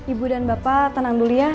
ibu dan bapak tenang dulu ya